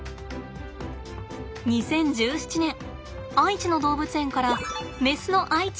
２０１７年愛知の動物園からメスのアイチがやって来ました。